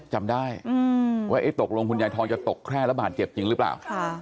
จำได้ว่าตกลงคุณยายทองจะตกแคร่แล้วบาดเจ็บจริงหรือเปล่า